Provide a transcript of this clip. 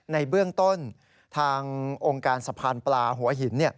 ในเบื้องต้นทางองค์การสะพานปลาหัวหิน